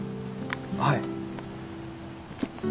はい。